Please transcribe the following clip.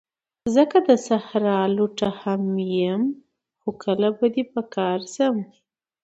زه که د صحرا لوټه هم یم، خو کله به دي په کار شم